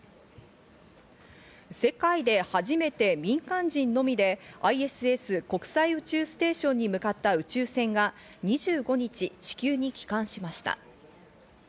世界で初めて民間人のみでＩＳＳ＝国際宇宙ステーションに向かった宇宙船が２５日、地球に帰還しました。